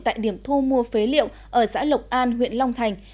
tại điểm thu mua phế liệu ở xã lộc an huyện long thành